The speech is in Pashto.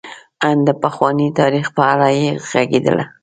ان د پخواني تاریخ په اړه یې غږېده.